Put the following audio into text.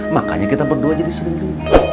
makanya kita berdua jadi sendiri